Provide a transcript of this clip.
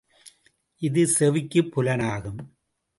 இது செவிக்குப் புலனாகும்.